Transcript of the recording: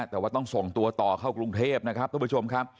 แต่ว่าต้องส่งตัวต่อเข้ากรุงเทพนะครับทุกผู้ชมครับ